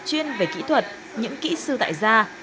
chuyên về kỹ thuật những kỹ sư tại gia